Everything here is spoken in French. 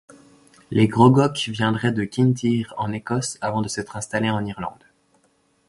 Les grogoch viendraient de Kintyre en Écosse avant de s’être installés en Irlande.